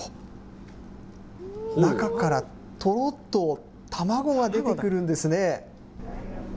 中からとろっと卵が出てくるんですね。